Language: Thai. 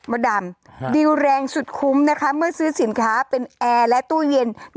ดำดิวแรงสุดคุ้มนะคะเมื่อซื้อสินค้าเป็นแอร์และตู้เย็น